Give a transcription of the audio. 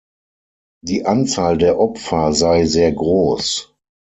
Die Anzahl der Opfer sei sehr groß.